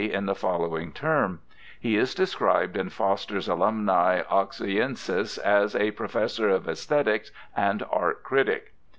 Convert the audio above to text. in the following term. He is described in Foster's Alumni Oxonienses as a 'Professor of Æsthetics and Art critic.'